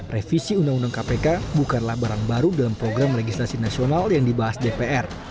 revisi undang undang kpk bukanlah barang baru dalam program legislasi nasional yang dibahas dpr